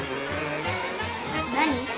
何？